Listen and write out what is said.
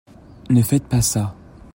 Ne faites pas ça.